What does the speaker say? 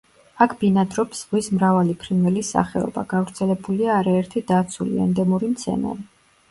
აქ ბინადრობს ზღვის მრავალი ფრინველის სახეობა, გავრცელებულია არაერთი დაცული, ენდემური მცენარე.